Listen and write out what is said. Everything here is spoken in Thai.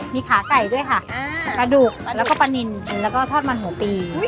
มีขาไก่ด้วยค่ะปลาดุกแล้วก็ปลานินแล้วก็ทอดมันหมูปี